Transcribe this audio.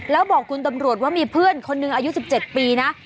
แล้วบอกคุณตำรวจว่ามีเพื่อนคนหนึ่งอายุ๑๗ปีนะ